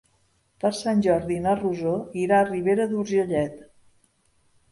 Per Sant Jordi na Rosó irà a Ribera d'Urgellet.